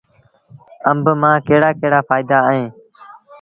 آݩب مآݩ ڪهڙآ ڪهڙآ ڦآئيدآ اوهيݩ